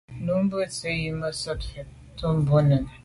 Lo’ mbwe nse’ yi me sote mfèt tô bo nène.